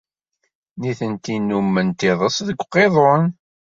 Nitenti nnumment iḍes deg uqiḍun.